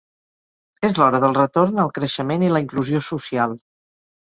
És l’hora del retorn al creixement i la inclusió social.